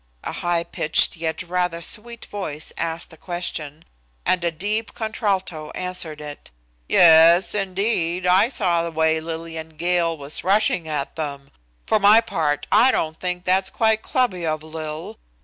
A high pitched yet rather sweet voice asked the question, and a deep contralto answered it. "Yes, indeed, and I saw the way Lillian Gale was rushing them. For my part I don't think that's quite clubby of Lil.